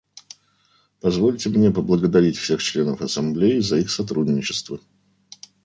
Позвольте мне поблагодарить всех членов Ассамблеи за их сотрудничество.